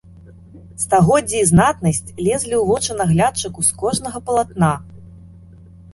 Стагоддзі і знатнасць лезлі ў вочы наглядчыку з кожнага палатна.